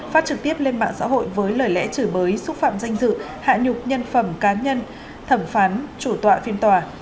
phát trực tiếp lên mạng xã hội với lời lẽ chửi bới xúc phạm danh dự hạ nhục nhân phẩm cá nhân thẩm phán chủ tọa phiên tòa